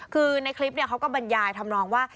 คือในคลิปเขาก็บรรยายทำนองว่า